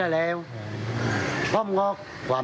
แล้วลูกเขยงบทกาล